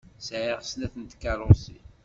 Sɛiɣ snat n tkeṛṛusin.